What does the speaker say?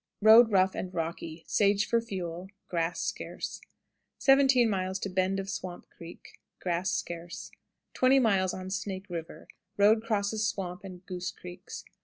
Road rough and rocky. Sage for fuel; grass scarce. 17. Bend of Swamp Creek. Grass scarce. 20. On Snake River. Road crosses Swamp and Goose Creeks.